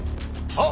あっ！